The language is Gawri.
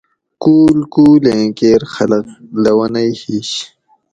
کُول کُول ایں کیر خلق لونئ ہِیش